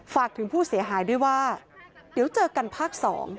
ฝากถึงผู้เสียหายด้วยว่าเดี๋ยวเจอกันภาค๒